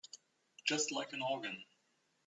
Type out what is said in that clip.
Just like an organ.